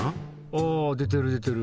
あ出てる出てる。